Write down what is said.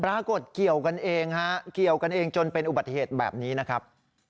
ปรากฏเกี่ยวกันเองฮะเกี่ยวกันเองจนเป็นอุบัติเหตุแบบนี้นะครับ